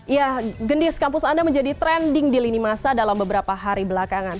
ya gendis kampus anda menjadi trending di lini masa dalam beberapa hari belakangan